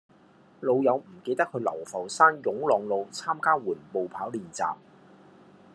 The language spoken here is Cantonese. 老友唔記得去流浮山湧浪路參加緩步跑練習